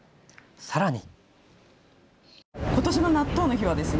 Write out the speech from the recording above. さらに。